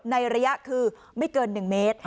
ในระยะคือไม่เกิน๑เมตร